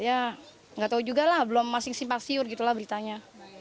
ya nggak tahu juga lah belum masing simpang siur gitu lah beritanya